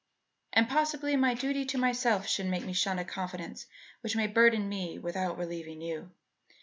"and possibly my duty to myself should make me shun a confidence which may burden me without relieving you.